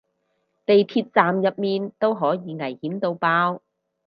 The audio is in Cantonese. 地鐵站入面都可以危險到爆